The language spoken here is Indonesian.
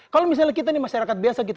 kalau misalnya kita ini masyarakat biasa gitu